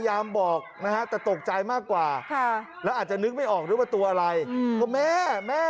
เห็นแล้วนี่ฉันเห็นแล้วฮ่า